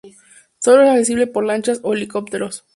Solo es accesible por lanchas o helicópteros.